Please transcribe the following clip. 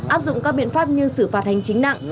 áp dụng các biện pháp như xử phạt hành chính nặng